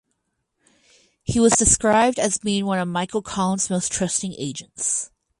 He was described as being one of Michael Collins’ most trusted agents.